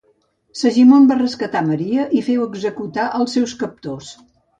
Segimon va rescatar Maria i feu executar els seus captors.